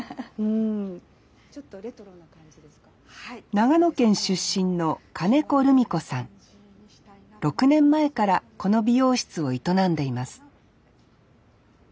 長野県出身の６年前からこの美容室を営んでいます